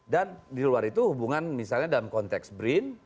dan di luar itu hubungan misalnya dalam konteks brin